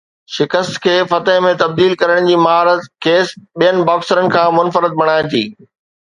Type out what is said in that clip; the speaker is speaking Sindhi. شڪست کي فتح ۾ تبديل ڪرڻ جي مهارت کيس ٻين باڪسرز کان منفرد بڻائي ٿي.